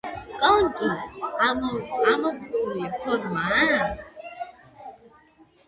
კონქი ამორფული ფორმისაა.